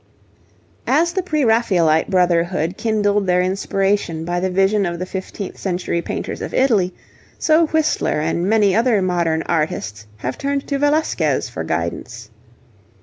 As the Pre Raphaelite Brotherhood kindled their inspiration by the vision of the fifteenth century painters of Italy, so Whistler and many other modern artists have turned to Velasquez for guidance.